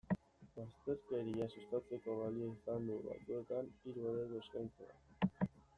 Bazterkeria sustatzeko balio izan du, batzuetan, hiru eredu eskaintzea.